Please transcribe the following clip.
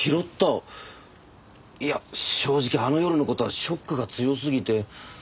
いや正直あの夜の事はショックが強すぎて。